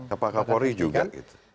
kapal kapolri juga gitu